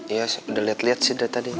iya udah liat liat sih dari tadi